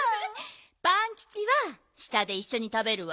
パンキチは下でいっしょにたべるわよ。